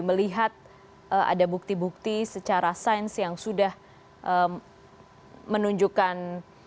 melihat ada bukti bukti secara sains yang sudah menunjukkan